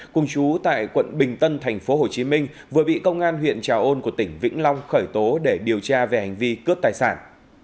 cùng chú tại quận bình tân thành phố hồ chí minh vừa bị công an huyện trào ôn của tỉnh vĩnh long khởi tố để điều tra về hành vi cướp tài sản